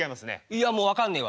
いやもう分かんねえわ。